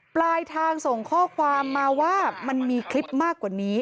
ปลายทางส่งข้อความมาว่ามันมีคลิปมากกว่านี้